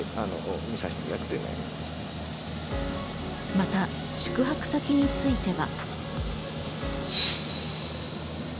また宿泊先については。